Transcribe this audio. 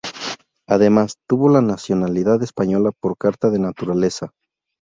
Además, tuvo la nacionalidad española por carta de naturaleza.